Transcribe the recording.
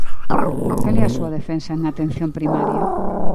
¿Cal é a súa defensa en atención primaria?